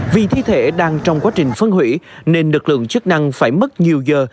vì thi thể đang trong quá trình phân hủy nên lực lượng chức năng phải mất nhiều giờ